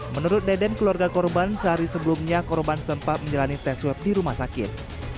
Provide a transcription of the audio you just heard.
menurut deden keluarga korban sehari sebelumnya korban sempat menjalani tes swab di rumah sakit